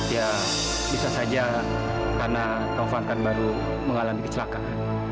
ya bisa saja karena taufan kan baru mengalami kecelakaan